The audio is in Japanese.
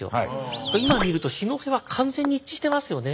今見ると四戸は完全に一致してますよね。